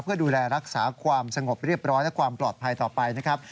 เพื่อดูแลรักษาความสงบเรียบร้อยและความปลอดภัยต่อไปนะครับ